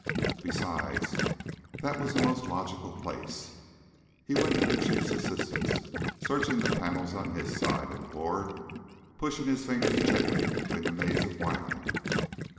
Besides, that was the most logical place. He went to the Chief's assistance, searching the panels on his side of the board, pushing his fingers gently between the maze of wiring.